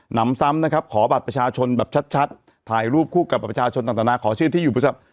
นำซ้ำนะครับขอบัตรประชาชนแบบชัดถ่ายรูปคู่กับประชาชนต่างนานาขอชื่นที่อยู่บริษัท